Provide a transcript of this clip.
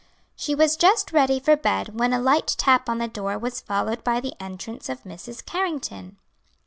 She was just ready for bed when a light tap on the door was followed by the entrance of Mrs. Carrington.